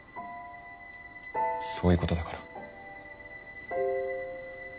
そういうことだから。